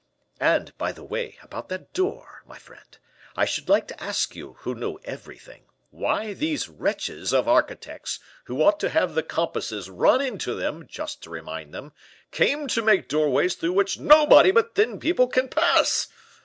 And, by the way, about that door, my friend, I should like to ask you, who know everything, why these wretches of architects, who ought to have the compasses run into them, just to remind them, came to make doorways through which nobody but thin people can pass?"